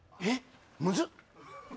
えっ？